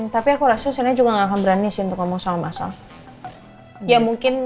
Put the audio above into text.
tapi aku rasa saya juga nggak berani untuk ngomong sama masalah ya mungkin